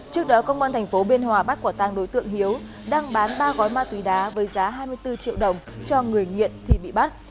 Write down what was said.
trước đó công an tp biên hòa bắt quả tăng đối tượng hiếu đang bán ba gói ma túy đá với giá hai mươi bốn triệu đồng cho người nghiện thì bị bắt